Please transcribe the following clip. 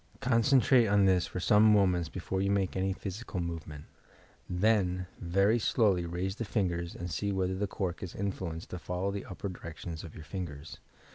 Con centrate on this for some moments before you make any physical movement. Then, very slowly raise the fingers and sec whether the cork is influenced to follow the upper direction of your fingers.